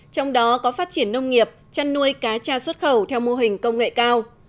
trong đó có phát triển nông nghiệp chăn nuôi cá tra xuất khẩu theo mô hình công nghệ cao